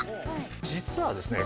実はですね